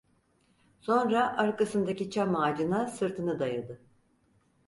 Sonra arkasındaki çam ağacına sırtını dayadı.